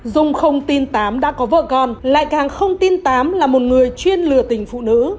dung không tin tám đã có vợ con lại càng không tin tám là một người chuyên lừa tình phụ nữ